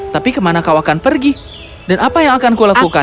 tapi kemana kau akan pergi dan apa yang akan ku lakukan